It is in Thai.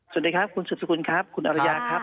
สวัสดีครับคุณสุดสกุลครับคุณอรยาครับ